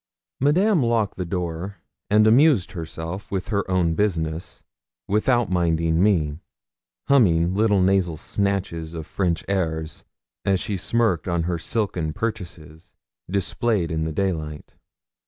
Madame locked the door, and amused herself with her own business, without minding me, humming little nasal snatches of French airs, as she smirked on her silken purchases displayed in the daylight.